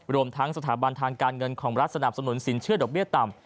รวมทั้งสถาบันทางการเงินของรัฐสนับสนุนสินเชื่อดอกเบี้ยต่ำ